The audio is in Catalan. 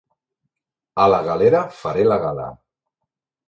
A la galera faré la gala.